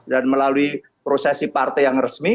dan melalui prosesi partai yang resmi